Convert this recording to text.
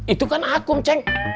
itu kan akun cek